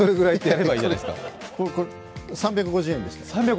３５０円でした。